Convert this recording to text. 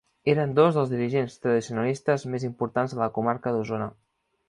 Eren dos dels dirigents tradicionalistes més importants de la comarca d'Osona.